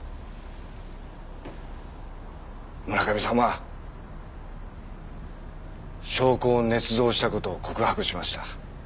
村上さんは証拠を捏造した事を告白しました。